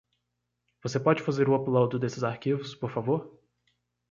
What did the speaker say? Você pode fazer o upload desses arquivos, por favor?